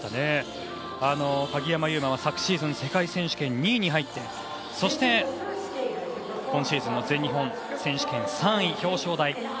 鍵山は昨シーズン世界選手権２位に入ってそして今シーズンの全日本選手権で３位、表彰台。